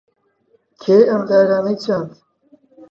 کێ ئەم دارانەی چاند؟